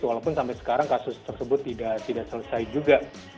walaupun sampai sekarang kasus tersebut tidak selesai juga